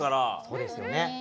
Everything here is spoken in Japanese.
そうですよね。